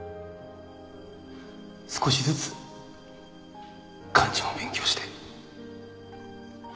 少しずつ漢字も勉強して。